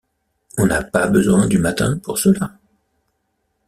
On n’a pas besoin du matin pour cela.